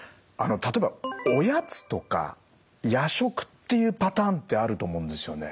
例えばおやつとか夜食っていうパターンってあると思うんですよね。